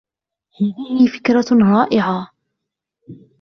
هذهِ فكرة رائعة.